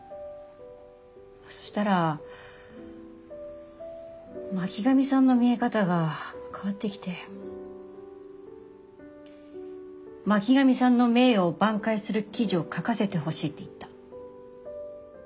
そしたら巻上さんの見え方が変わってきて巻上さんの名誉を挽回する記事を書かせてほしいって言った。